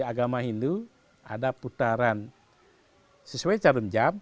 agama hindu ada putaran sesuai jarum jam